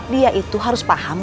dia itu harus paham